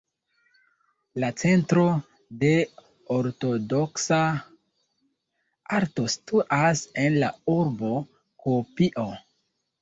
La Centro de Ortodoksa Arto situas en la urbo Kuopio.